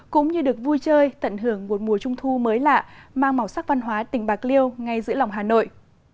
cũng như được vui chơi tận hưởng một mùa trung thu mới lạ mang màu sắc văn hóa tỉnh bạc liêu ngay giữa lòng hà nội